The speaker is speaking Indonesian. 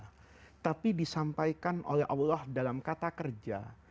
itu disampaikan oleh allah dalam kata kerja